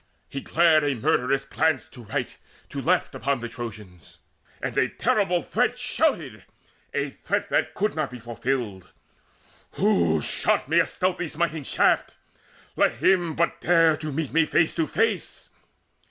He glared, a murderous glance, to right, to left, [Upon the Trojans, and a terrible threat] Shouted, a threat that could not be fulfilled: "Who shot at me a stealthy smiting shaft? Let him but dare to meet me face to face!